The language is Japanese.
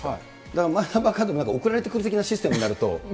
だからマイナンバーカードも送られてくる的なシステムになると。